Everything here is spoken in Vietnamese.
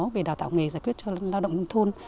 về đào tạo nghề giải quyết cho lao động nông thôn